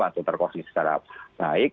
atau terkongsi secara baik